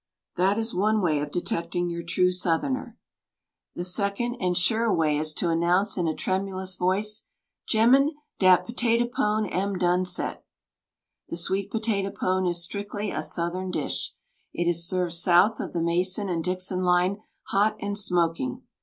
That is one way of detecting your true southerner. The second and surer way is to announce in a tremulous voice: "Gemmen, dat potato pone am done set." The sweet potato pone is strictly a southern dish. It is served south of the Mason and Dixon line hot and smoking.